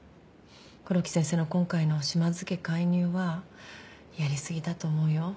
黒木先生の今回の島津家介入はやり過ぎだと思うよ。